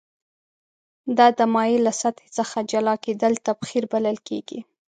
دا د مایع له سطحې څخه جلا کیدل تبخیر بلل کیږي.